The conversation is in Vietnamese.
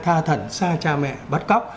tha thần xa cha mẹ bắt cóc